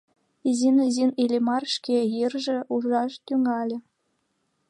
Изин-изин Иллимар шке йырже ужаш тӱҥале.